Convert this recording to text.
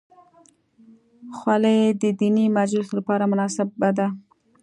خولۍ د دیني مجالسو لپاره مناسبه ده.